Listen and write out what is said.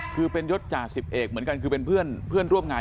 คือเป็นยศจ่าสิบเอกเหมือนกันคือเป็นเพื่อนร่วมงาน